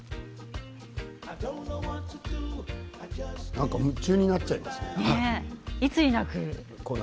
なんか夢中になっちゃいますね。